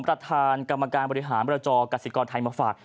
กรรมการบริหารบรรจอกสิทธิกรไทยมาฝาก